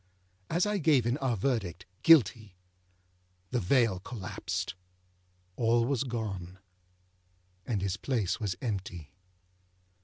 As I gave in our verdict, âGuilty,â the veil collapsed, all was gone, and his place was empty.